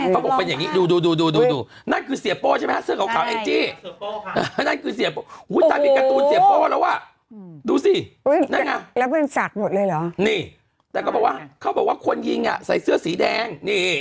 กับไหนดุไปเชียงใหม่ต่ออีกวันนึง